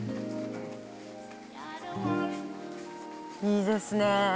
いいですね。